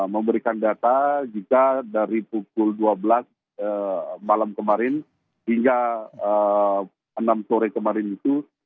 memberikan data jika dari pukul dua belas malam kemarin hingga enam sore kemarin itu